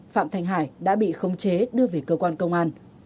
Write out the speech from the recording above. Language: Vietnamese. phạm thành hải đã bị khống chế đưa về cơ quan công an